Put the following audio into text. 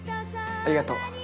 ありがとう。